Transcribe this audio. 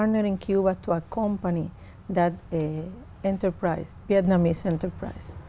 nếu các bác sĩ nói với tôi